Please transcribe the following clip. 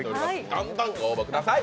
どんどんご応募ください。